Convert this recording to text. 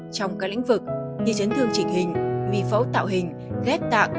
trong các lĩnh vực như chấn thương chỉnh hình vi phẫu tạo hình ghép tạng